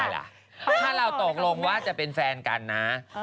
ถ้าเราตกลงว่าจะเป็นแฟนกันนะ